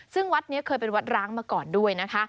ซึ่งวัดนี้เคยเป็นวัดร้างมาก่อนด้วยนะคะ